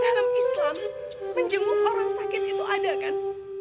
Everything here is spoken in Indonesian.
dalam islam menjenguk orang sakit itu ada kan